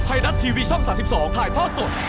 ไทยรัฐทีวีช่อง๓๒ถ่ายทอดสด